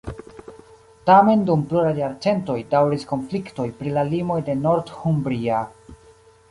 Tamen dum pluraj jarcentoj daŭris konfliktoj pri la limoj de Northumbria.